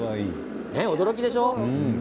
驚きでしょ。